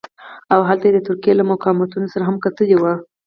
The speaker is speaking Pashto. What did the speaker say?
او هلته یې د ترکیې له مقاماتو سره هم کتلي وو.